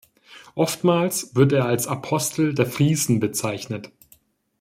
Oftmals wird er als „Apostel der Friesen“ bezeichnet.